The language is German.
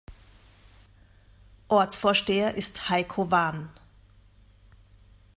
Ortsvorsteher ist Heiko Wahn.